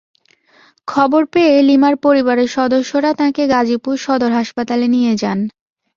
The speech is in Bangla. খবর মেয়ে লিমার পরিবারের সদস্যরা তাঁকে গাজীপুর সদর হাসপাতালে নিয়ে যান।